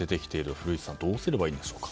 古市さんどうすればいいんでしょうか。